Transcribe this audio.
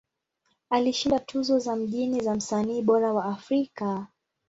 Alishinda tuzo za mijini za Msanii Bora wa Afrika.